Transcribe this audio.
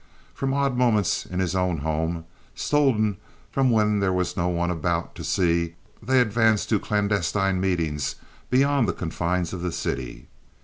From odd moments in his own home, stolen when there was no one about to see, they advanced to clandestine meetings beyond the confines of the city.